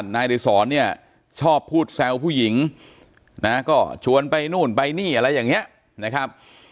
นายดิสรเนี่ยชอบพูดแซวผู้หญิงนะก็ชวนไปนู่นไปนี่อะไรอย่างนี้นะครับ